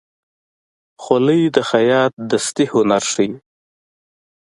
خولۍ د خیاط دستي هنر ښيي.